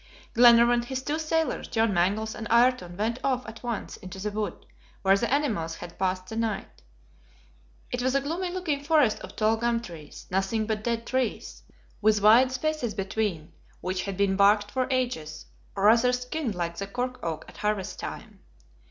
Glenarvan, his two sailors, John Mangles, and Ayrton went off at once into the wood, where the animals had passed the night. It was a gloomy looking forest of tall gum trees; nothing but dead trees, with wide spaces between, which had been barked for ages, or rather skinned like the cork oak at harvest time.